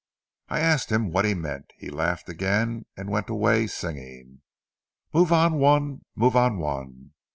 "I asked him what he meant? He laughed again, and went away singing, 'Move on One! Move on One!'